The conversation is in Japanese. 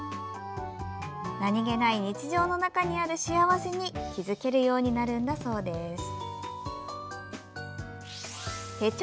何気ない日常の中にある幸せに気付けるようになるんだそうです。